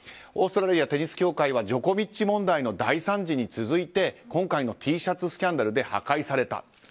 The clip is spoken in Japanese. オーストラリアテニス協会はジョコビッチ問題の大惨事に続いて今回のＴシャツスキャンダルで破壊された。